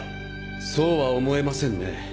そうは思えませんね。